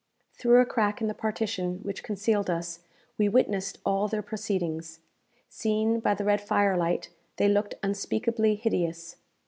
Through a crack in the partition which concealed us, we witnessed all their proceedings. Seen by the red firelight, they looked unspeakably hideous.